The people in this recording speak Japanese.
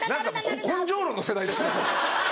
何か根性論の世代ですよね。